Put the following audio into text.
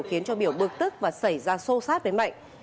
khiến cho biểu bực tức và xảy ra sâu sát với mạnh